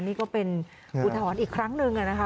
นี่ก็เป็นอุทธรณ์อีกครั้งหนึ่งนะคะ